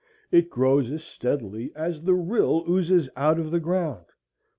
It grows as steadily as the rill oozes out of the ground.